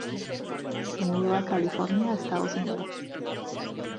Se mudó a California, Estados Unidos.